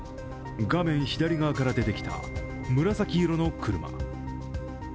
画面左側から出てきた紫色の車。